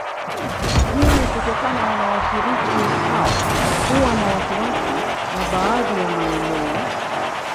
Hii kutokana na washiriki hao kuwa na wasiwasi na baadhi ya maeneo